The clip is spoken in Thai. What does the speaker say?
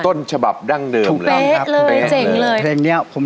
ต้นฉบับดั้งเดิม